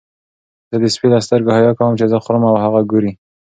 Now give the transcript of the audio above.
زه د سپي له سترګو حیا کوم چې زه خورم او هغه ګوري.